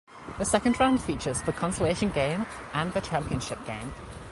The second round features the consolation game and the championship game.